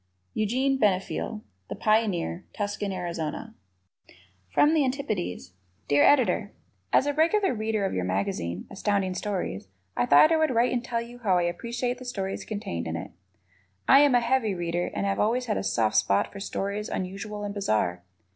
Eugene Benefiel, The Pioneer, Tucson, Arizona. From the Antipodes Dear Editor: As a regular Reader of your magazine, Astounding Stories, I thought I would write and tell you how I appreciate the stories contained in it. I am a heavy Reader and have always had a soft spot for stories unusual and bizarre.